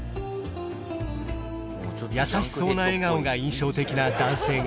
優しそうな笑顔が印象的な男性が来店